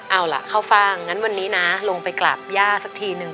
เอาล่ะเข้าฟ่างงั้นวันนี้นะลงไปกราบย่าสักทีนึง